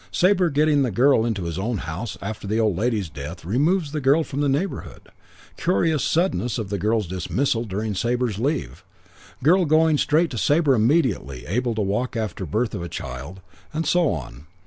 Sabre getting the girl into his own house after the old lady's death removes the girl from the neighbourhood; curious suddenness of the girl's dismissal during Sabre's leave; girl going straight to Sabre immediately able to walk after birth of child, and so on.